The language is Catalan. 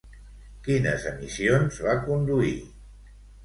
Quines emissions va conduir?